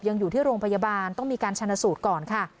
ยังอยู่ที่โรงพยาบาลต้องมีการชนะสูตรก่อนค่ะ